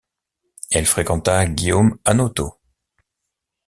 Elle fréquenta Guillaume Hanoteaux.